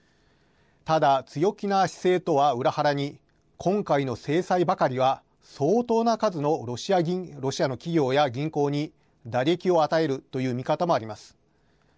ただ、強気な姿勢とは裏腹に今回の制裁ばかりは相当な数のロシアの企業や銀行に打撃を与えるという見方もあります。